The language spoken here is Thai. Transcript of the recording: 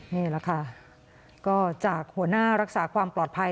นี่แหละค่ะก็จากหัวหน้ารักษาความปลอดภัย